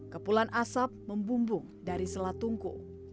kepulan asap membumbung dari selat tungku